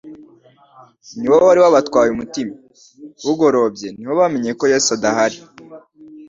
ni wo wari wabatwaye umutima. Bugorobye ni ho bamenye ko Yesu adahari.